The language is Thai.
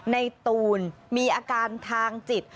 ตูนมีอาการทางจิต